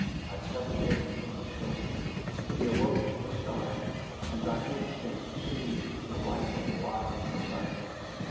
I touched him on the shoulder. He awoke with a start, and by instinct seized the rifle lying beside him.